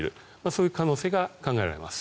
そういう可能性が考えられます。